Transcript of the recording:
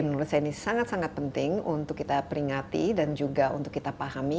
menurut saya ini sangat sangat penting untuk kita peringati dan juga untuk kita pahami